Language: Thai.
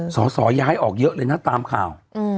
สอสอย้ายออกเยอะเลยนะตามข่าว